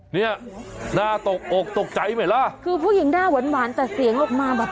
เนี้ยน่าตกอกตกใจไหมล่ะคือผู้หญิงหน้าหวานหวานแต่เสียงออกมาแบบ